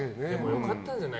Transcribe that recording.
良かったんじゃない？